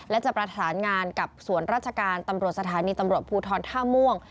และจะประสานงานกับสวนราชการตำรวจสถานีตำรวจภูทรท่าม่วง